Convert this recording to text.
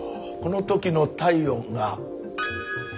このときの体温が。